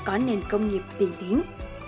có nền công nghiệp tiên tiến